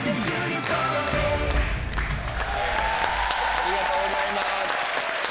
ありがとうございます。